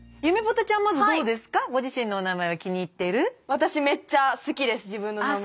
私めっちゃ好きです自分の名前。